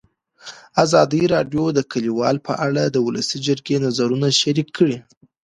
ازادي راډیو د کډوال په اړه د ولسي جرګې نظرونه شریک کړي.